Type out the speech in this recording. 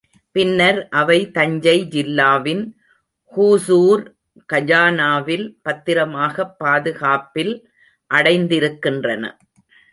பின்னர் அவை தஞ்சை ஜில்லாவின் ஹுசூர் கஜானாவில் பத்திரமாகப் பாதுகாப்பில் அடைந்திருக்கின்றன.